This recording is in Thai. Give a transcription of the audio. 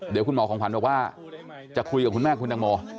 เดี๋ยวคุณหมอของขวัญบอกว่าจะคุยกับคุณแม่คุณตังโม